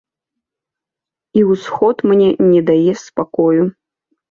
І ўсход мне не дае спакою.